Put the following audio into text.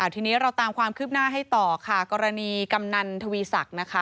ทีนี้เราตามความคืบหน้าให้ต่อค่ะกรณีกำนันทวีศักดิ์นะคะ